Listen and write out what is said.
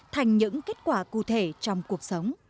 thành những kết quả cụ thể trong cuộc sống